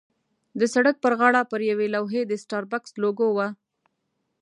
د سړک پر غاړه پر یوې لوحې د سټاربکس لوګو وه.